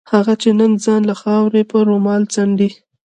هغه چې نن ځان له خاورو په رومال څنډي.